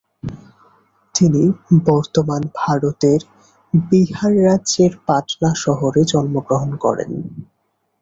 তিনি বর্তমান ভারতের বিহার রাজ্যের পাটনা শহরে জন্মগ্রহণ করেন।